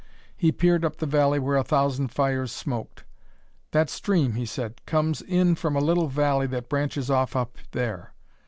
He peered up the valley where a thousand fires smoked. "That stream," he said, "comes in from a little valley that branches off up there.